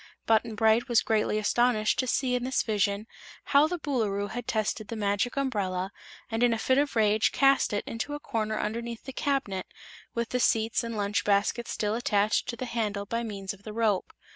Button Bright was greatly astonished to see in this vision how the Boolooroo had tested the Magic Umbrella and in a fit of rage cast it into a corner underneath the cabinet, with the seats and lunch basket still attached to the handle by means of the rope.